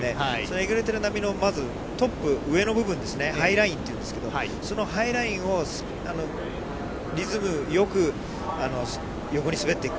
えぐれてる波のまずトップ、上の部分ですね、ハイラインというんですけど、そのハイラインをリズムよくそこに滑っていく。